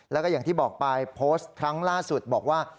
แล้วก็อย่างที่บอกไปโพสต์ครั้งล่าสุดบอกว่า